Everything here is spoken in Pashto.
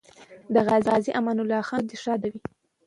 د غازي امان الله خان روح دې ښاد وي.